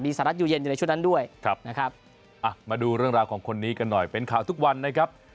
สหรัฐอยู่เย็นอยู่ในชุดนั้นด้วยนะครับอ่ะมาดูเรื่องราวของคนนี้กันหน่อยเป็นข่าวทุกวันนะครับ